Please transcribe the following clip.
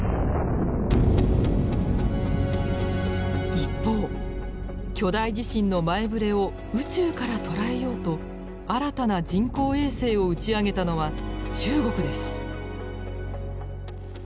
一方巨大地震の前ぶれを宇宙から捉えようと新たな人工衛星を打ち上げたのは中国です。